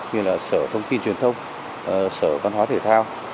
như là sở thông tin truyền thông sở văn hóa thể thao